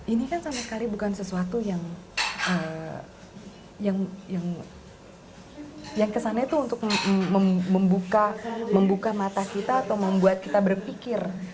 ini kan sama kari bukan sesuatu yang kesannya itu untuk membuka mata kita atau membuat kita berpikir